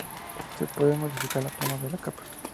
Se puede modificar la forma de la capa.